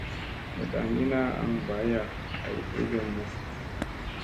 Ndat angina aŋ mbaya ay ege mu.